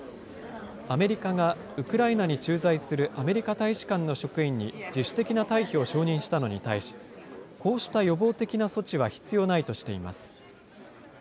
アメリカがウクライナに駐在するアメリカ大使館の職員に自主的な退避を承認したのに対し、こうした予防的な措置は必要ないとしています。